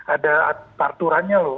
ada parturannya loh